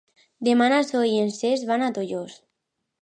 Demà na Zoè i en Cesc van a Tollos.